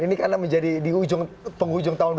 ini karena di penghujung tahun dua ribu tujuh belas